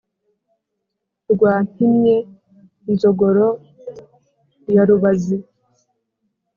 rwa mpimye nzogoro ya rubazi